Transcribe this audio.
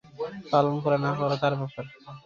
পালন করা না করা তাঁর ব্যাপার।